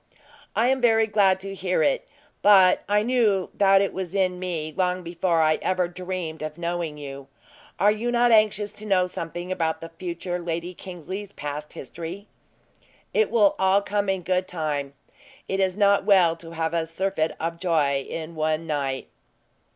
"I am very glad to hear it; but I knew that it was in me long before I ever dreamed of knowing you. Are you not anxious to know something about the future Lady Kingsley's past history?" "It will all come in good time; it is not well to have a surfeit of joy in one night.